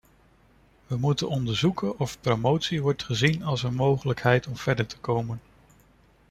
We moeten onderzoeken of promotie wordt gezien als een mogelijkheid om verder te komen.